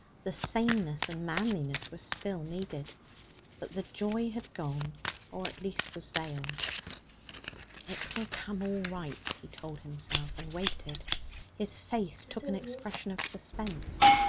The saneness and manliness were still needed, but the joy had gone, or at least was veiled. 'It will come all right,' he told himself, and waited. His face took an expression of suspense.